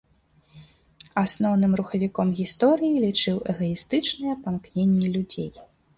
Асноўным рухавіком гісторыі лічыў эгаістычныя памкненні людзей.